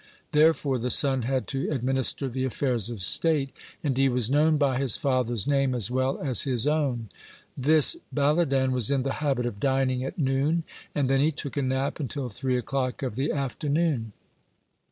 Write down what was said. Therefore the son had to administer the affairs of state, and he was known by his father's name as well as his own. (81) This Baladan was in the habit of dining at noon, and then he took a nap until three o'clock of the afternoon.